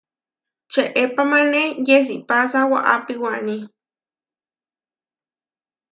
Čeepamáne yesipása waapí waní.